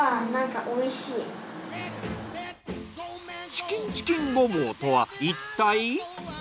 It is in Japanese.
チキンチキンごぼうとはいったい？